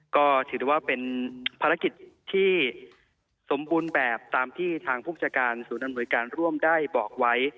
ก็ถือได้ว่าเป็นภารกิจที่สมบูรณ์แบบตามที่ทางผู้จัดการศูนย์อำนวยการร่วมได้บอกไว้